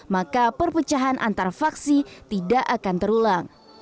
maka perpecahan antar faksi tidak akan terulang